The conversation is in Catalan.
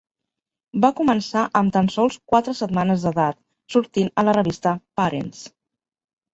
Va començar amb tan sols quatre setmanes d'edat sortint a la revista Parents.